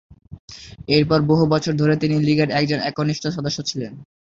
এরপর বহু বছর ধরে, তিনি লীগের একজন একনিষ্ঠ সদস্য ছিলেন।